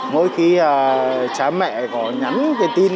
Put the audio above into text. mỗi khi cháu mẹ có nhắn tin